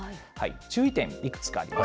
注意点、いくつかあります。